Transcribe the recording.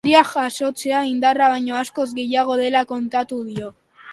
Harriak jasotzea indarra baino askoz gehiago dela kontatu dio.